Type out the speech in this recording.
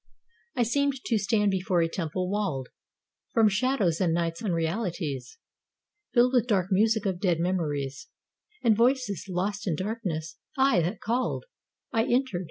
"_ I seemed to stand before a temple walled From shadows and night's unrealities; Filled with dark music of dead memories, And voices, lost in darkness, aye that called. I entered.